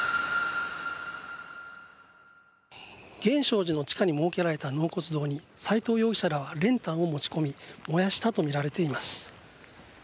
源証寺の地下に設けられた納骨堂に斎藤容疑者らは練炭を持ち込み燃やしたとみられています。